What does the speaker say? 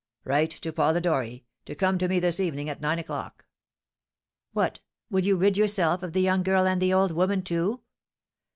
"Write to Polidori, to come to me this evening, at nine o'clock." "What! Will you rid yourself of the young girl and the old woman, too?